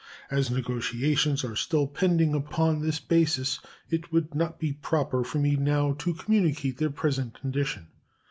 As negotiations are still pending upon this basis, it would not be proper for me now to communicate their present condition.